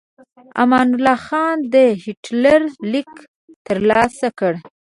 امان الله خان د هیټلر لیک ترلاسه کړ.